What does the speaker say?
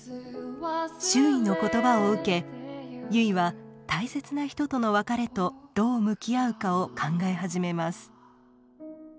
周囲の言葉を受け結は大切な人との別れとどう向き合うかを考え始めます。